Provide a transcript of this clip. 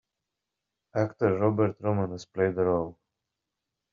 Actor Robert Romanus played the role.